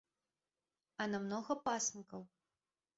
А на многа пасынкаў?